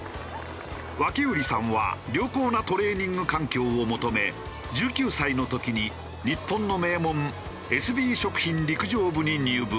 ワキウリさんは良好なトレーニング環境を求め１９歳の時に日本の名門エスビー食品陸上部に入部。